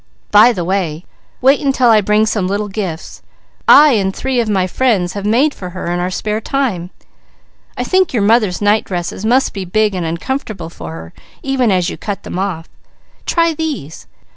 By the way, wait until I bring some little gifts, I and three of my friends have made for her in our spare time. I think your mother's night dresses must be big and uncomfortable for her, even as you cut them off. Try these.